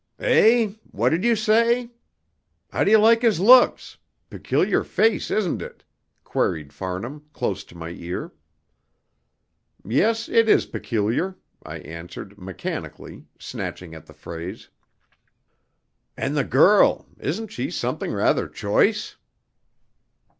"Eh? What did you say? How do you like his looks? Peculiar face, isn't it?" queried Farnham, close to my ear. "Yes, it is peculiar," I answered, mechanically, snatching at the phrase. "And the girl! Isn't she something rather choice?"